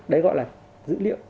đấy gọi là dữ liệu